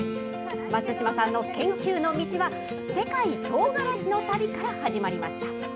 松島さんの研究の道は世界トウガラシの旅から始まりました。